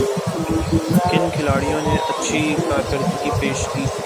کن کھلاڑیوں نے اچھی کارکردگی پیش کی